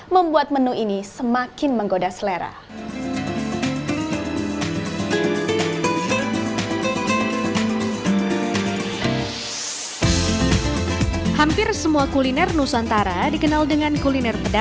membuat menu ini semakin menggoda selera